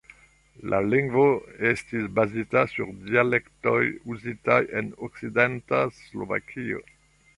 La lingvo estis bazita sur dialektoj uzitaj en okcidenta Slovakio.